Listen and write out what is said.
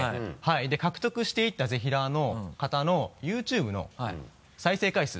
獲得していったぜひらーの方のＹｏｕＴｕｂｅの再生回数。